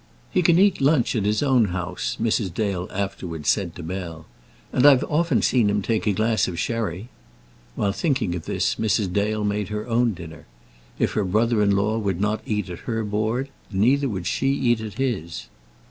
"He can eat lunch at his own house," Mrs. Dale afterwards said to Bell. "And I've often seen him take a glass of sherry." While thinking of this, Mrs. Dale made her own dinner. If her brother in law would not eat at her board, neither would she eat at his.